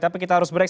tapi kita harus break